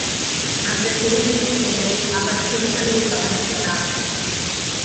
அந்தச் சேவலின் செயலை அவர் சொல்வதைக் கவனிக்கலாம்.